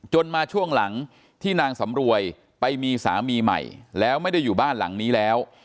มาช่วงหลังที่นางสำรวยไปมีสามีใหม่แล้วไม่ได้อยู่บ้านหลังนี้แล้ว